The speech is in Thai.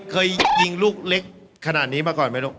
เคยยิงลูกเล็กขนาดนี้มาก่อนไหมลูก